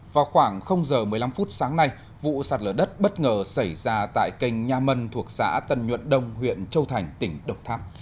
vào khoảng giờ một mươi năm phút sáng nay vụ sạt lở đất bất ngờ xảy ra tại kênh nha mân thuộc xã tân nhuận đông huyện châu thành tỉnh độc tháp